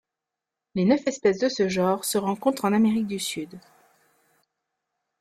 Les neuf espèces de ce genre se rencontrent en Amérique du Sud.